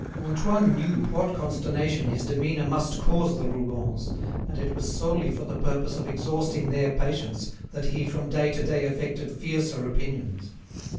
Antoine knew what consternation his demeanour must cause the Rougons, and it was solely for the purpose of exhausting their patience that he from day to day affected fiercer opinions.